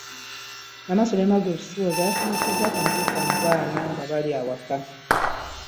Namasole Margaret Siwoza yasomesezza ku mpisa mu baana nga bali awaka.